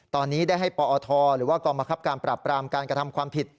ตอนนี้ได้ให้ปอทหรือว่ากองบังคับการปรับปรามการกระทำความผิด